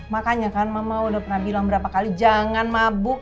makanya kan mama udah pernah bilang berapa kali jangan mabuk